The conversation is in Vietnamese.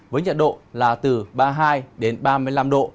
với nhiệt độ là từ ba mươi hai ba mươi năm độ